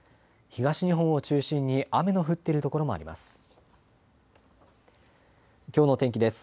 東日本を中心に雨の降っているところもあります。